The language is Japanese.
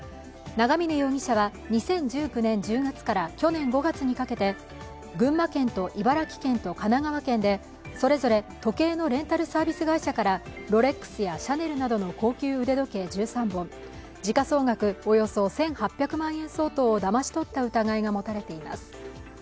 長峰容疑者は２０１９年１０月から去年５月にかけて群馬県と茨城県と神奈川県でそれぞれ時計のレンタルサービス会社からロレックスやシャネルなどの高級腕時計１３本、時価総額およそ１８００万円相当をだまし取った疑いが持たれています。